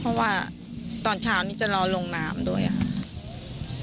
เพราะว่าตอนเช้านี้จะรอลงน้ำด้วยค่ะ